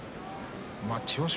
千代翔